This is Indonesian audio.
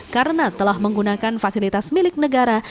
karena telah menggunakan fasilitas milik negara